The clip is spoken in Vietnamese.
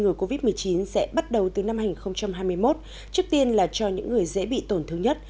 ngừa covid một mươi chín sẽ bắt đầu từ năm hai nghìn hai mươi một trước tiên là cho những người dễ bị tổn thương nhất